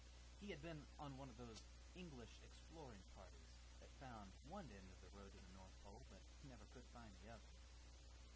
He had been on one of those English exploring parties that found one end of the road to the north pole, but never could find the other.